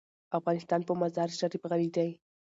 افغانستان په مزارشریف غني دی.